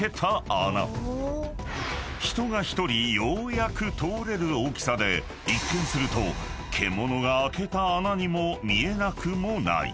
［人が１人ようやく通れる大きさで一見すると獣が開けた穴にも見えなくもない］